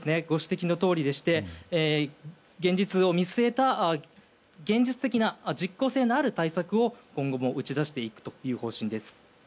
ご指摘のとおりで現実を見据えた現実的な実効性のある対策を今後も打ち出していくということです。